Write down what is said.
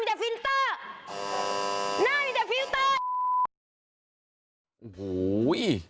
หน้ามีแต่ฟิลเตอร์